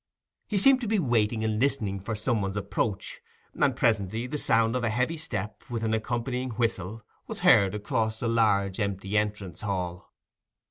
He seemed to be waiting and listening for some one's approach, and presently the sound of a heavy step, with an accompanying whistle, was heard across the large empty entrance hall.